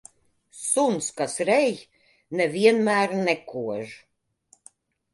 Suns, kas rej, ne vienmēr nekož.